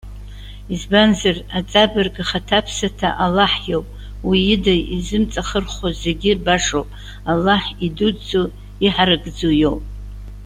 Избанзар, аҵабырг ахаҭаԥсаҭа Аллаҳ иоуп. Уи ида изымҵахырхәо зегьы башоуп, Аллаҳ идуӡӡоу, иҳаракӡоу иоуп.